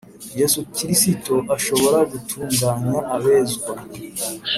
yesu kirisito ashobora gutunganya abezwa